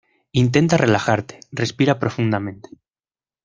intenta relajarte. respira profundamente.